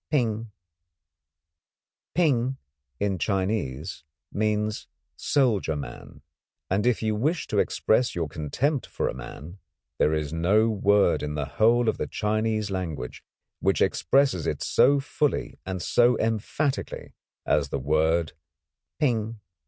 "Ping" in Chinese means soldier man, and if you wish to express your contempt for a man there is no word in the whole of the Chinese language which expresses it so fully and so emphatically as the word "Ping."